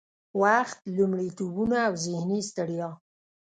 وخت، لومړيتوبونه او ذهني ستړيا